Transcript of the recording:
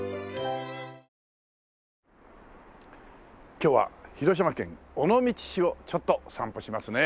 今日は広島県尾道市をちょっと散歩しますね。